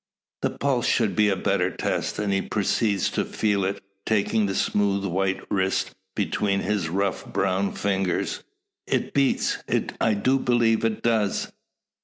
The pulse should be a better test; and he proceeds to feel it, taking the smooth white wrist between his rough brown fingers. "It beats! I do believe it does!"